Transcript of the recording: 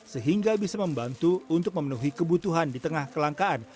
sehingga bisa membantu untuk memenuhi kebutuhan di tengah kelangkaan